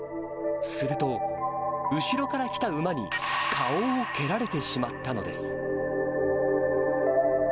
すると、後ろから来た馬に顔を蹴られてしまったのです。